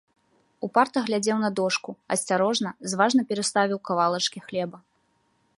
Упарта глядзеў на дошку, асцярожна, зважна пераставіў кавалачкі хлеба.